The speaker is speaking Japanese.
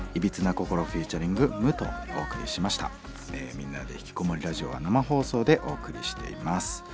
「みんなでひきこもりラジオ」は生放送でお送りしています。